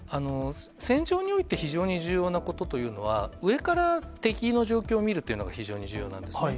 戦場において非常に重要なことというのは、上から敵の状況を見るっていうのが、非常に重要なんですね。